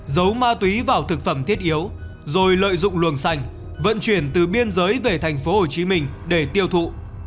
giấu ma túy vào thực phẩm thiết yếu rồi lợi dụng luồng xanh vận chuyển từ biên giới về thành phố hồ chí minh để tiêu thụ